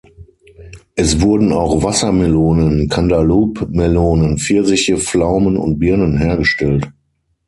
Es wurden auch Wassermelonen, Cantaloupe-Melonen, Pfirsiche, Pflaumen und Birnen hergestellt.